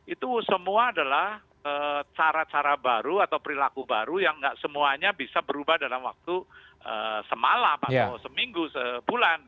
itu semua adalah cara cara baru atau perilaku baru yang tidak semuanya bisa berubah dalam waktu semalam atau seminggu sebulan